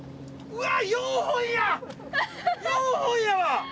うわ！